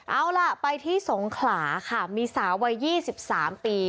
เอาล่ะไปที่สงขลาค่ะมีสาววัยยี่สิบสามปี